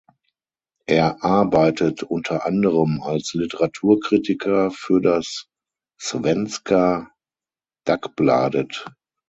Er arbeitet unter anderem als Literaturkritiker für das Svenska Dagbladet.